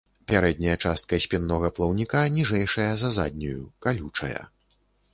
Пярэдняя частка спіннога плаўніка ніжэйшая за заднюю, калючая.